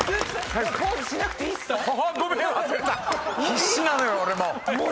必死なのよ俺も。